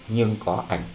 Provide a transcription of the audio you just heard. nhưng có ảnh